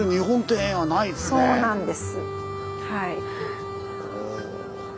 そうなんです。